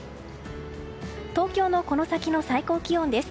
東京のこの先の最高気温です。